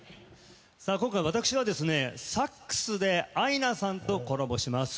今回、私はサックスでアイナさんとコラボします。